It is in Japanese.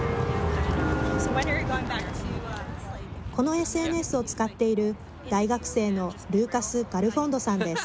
このＳＮＳを使っている大学生のルーカス・ガルフォンドさんです。